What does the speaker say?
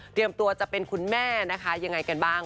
ตัวจะเป็นคุณแม่นะคะยังไงกันบ้าง